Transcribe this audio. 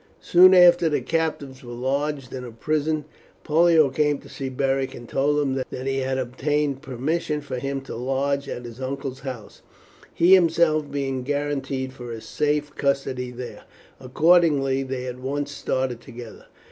Soon after the captives were lodged in a prison, Pollio came to see Beric, and told him that he had obtained permission for him to lodge at his uncle's house, he himself being guarantee for his safe custody there; accordingly they at once started together.